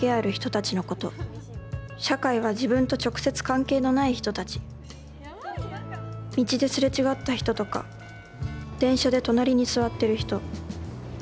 「社会」は自分と直接関係のない人達道ですれ違った人とか電車で隣に座ってる人。